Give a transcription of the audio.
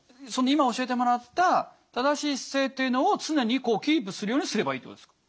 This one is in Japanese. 今教えてもらった正しい姿勢っていうのを常にキープするようにすればいいってことですか？